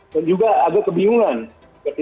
dan juga agak kebingungan ketika sudah umur jumlah pemain